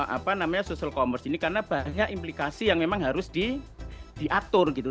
apa namanya social commerce ini karena banyak implikasi yang memang harus diatur gitu